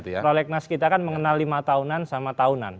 prolegnas kita kan mengenal lima tahunan sama tahunan